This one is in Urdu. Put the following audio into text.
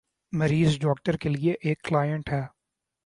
مریض ڈاکٹر کے لیے ایک "کلائنٹ" ہے۔